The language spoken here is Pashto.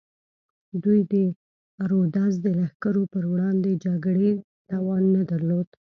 دوی د رودز د لښکرو پر وړاندې جګړې توان نه درلود.